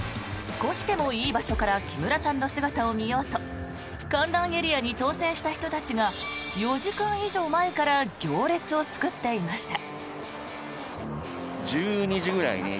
少しでもいい場所から木村さんの姿を見ようと観覧エリアに当選した人たちが４時間以上前から行列を作っていました。